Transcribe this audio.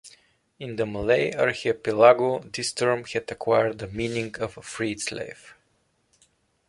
In the Malay archipelago, this term had acquired the meaning of a freed slave.